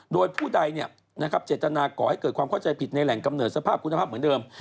โดยผู้ใดเจตนาก่อให้เกิดความเข้าใจผิดในแหล่งกำเนิดสภาพคุณภาพเหมือนเดิม